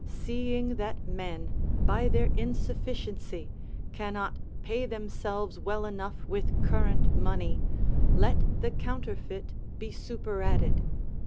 Seeing that men, by their insufficiency, cannot pay themselves well enough with current money, let the counterfeit be superadded.